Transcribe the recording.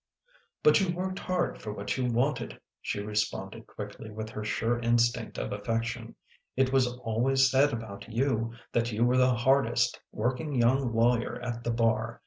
" But you worked hard for what you wanted/ she responded quickly with her sure instinct of affection. " It was always said about you, that you were the hardest working young lawyer at the bar.